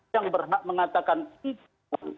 yang berhak mengatakan itu